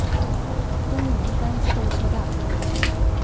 东名阪自动车道。